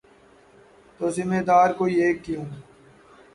تو ذمہ دار کوئی ایک کیوں؟